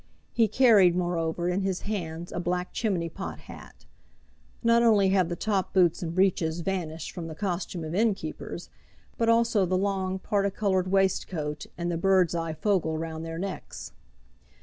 He carried, moreover, in his hands a black chimney pot hat. Not only have the top boots and breeches vanished from the costume of innkeepers, but also the long, particoloured waistcoat, and the birds' eye fogle round their necks.